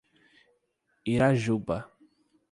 Irajuba